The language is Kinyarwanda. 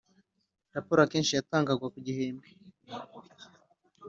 Raporo akenshi yatangwaga ku gihembwe